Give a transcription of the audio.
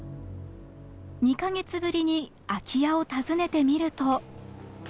２か月ぶりに空き家を訪ねてみると。